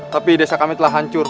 tapi desa kami telah hancur